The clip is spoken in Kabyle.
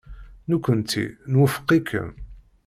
Nekkenti nwufeq-ikem.